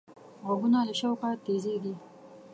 غوږونه له شوقه تیزېږي